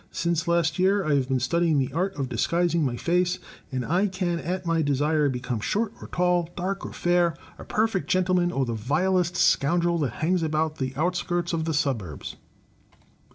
Since last year I have been studying the art of disguising my face, and I can at my desire become short or tall, dark or fair, a perfect gentleman, or the vilest scoundrel that hangs about the outskirts of the suburbs.